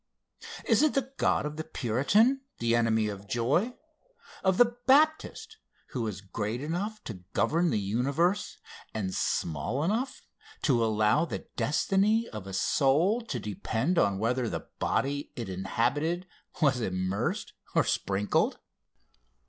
Is it the God of the Puritan, the enemy of joy of the Baptist, who is great enough to govern the universe, and small enough to allow the destiny of a soul to depend on whether the body it inhabited was immersed or sprinkled?